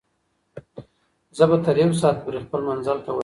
زه به تر یو ساعت پورې خپل منزل ته ورسېږم.